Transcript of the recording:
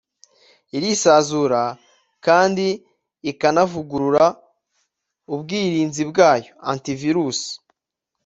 irisazura kandi ikanavugurura ubwirinzi bwayo (Anti Virus)